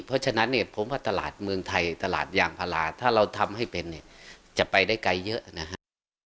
เพราะฉะนั้นเนี่ยผมว่าตลาดเมืองไทยตลาดยางพาราถ้าเราทำให้เป็นเนี่ยจะไปได้ไกลเยอะนะฮะ